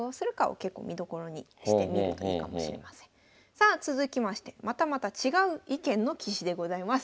さあ続きましてまたまた違う意見の棋士でございます。